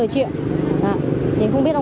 thì không biết ông lấy lúc nào thì em không biết